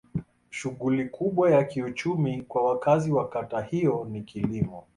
Shughuli kubwa ya kiuchumi kwa wakazi wa kata hiyo ni kilimo.